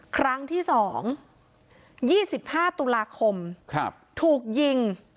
ครั้งที่สองยี่สิบห้าตุลาคมครับถูกยิง